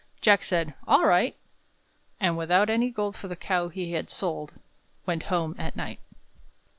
Jack said, "All right." And, without any gold for the cow he had sold, Went home at night.